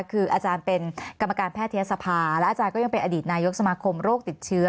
คืออาจารย์เป็นกรรมการแพทยศภาและอาจารย์ก็ยังเป็นอดีตนายกสมาคมโรคติดเชื้อ